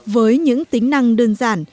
với những tính năng đơn giản